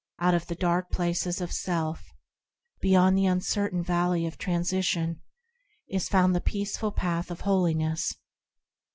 Out of the dark places of self, Beyond the uncertain valley of Transition, Is found the peaceful Path of Holiness.